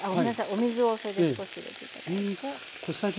お水をそれで少し入れて頂いて。